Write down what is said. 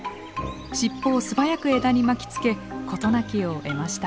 尻尾を素早く枝に巻きつけ事なきを得ました。